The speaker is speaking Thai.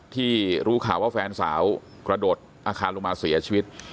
ที่รู้ข่าวว่าแฟนสาวกระโดดอาคารลงมาเสียชีวิต